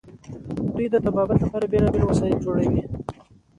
دوی د طبابت لپاره بیلابیل وسایل جوړوي.